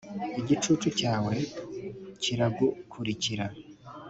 igicucu cyawe kiragukurikira,